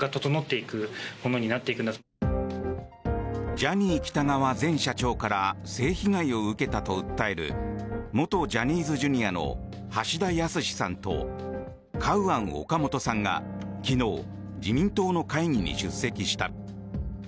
ジャニー喜多川前社長から性被害を受けたと訴える元ジャニーズＪｒ．の橋田康さんとカウアン・オカモトさんが昨日、自民党の会議に出席した。